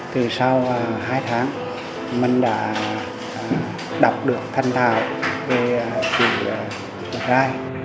từ sau hai tháng mình đã đọc được thanh thảo về chữ bật ra